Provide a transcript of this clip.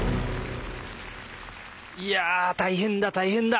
いや大変だ大変だ！